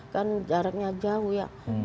kan jaraknya jauh ya